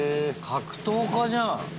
格闘家じゃん。